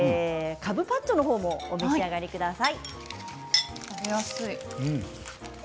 かぶパッチョの方もお召し上がりください。